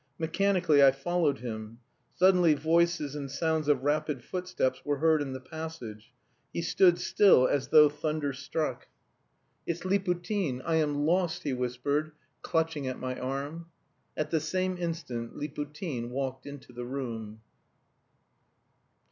Mechanically I followed him. Suddenly voices and sounds of rapid footsteps were heard in the passage. He stood still, as though thunder struck. "It's Liputin; I am lost!" he whispered, clutching at my arm. At the same instant Liputin walked into the room.